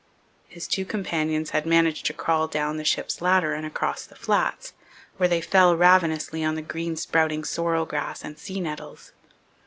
His two companions had managed to crawl down the ship's ladder and across the flats, where they fell ravenously on the green sprouting sorrel grass and sea nettles.